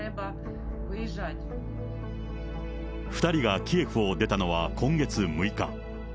２人がキエフを出たのは今月６日。